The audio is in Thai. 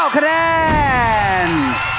๒๗๙คะแนน